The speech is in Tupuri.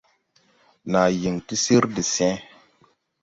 Naa yiŋ ti sir de see.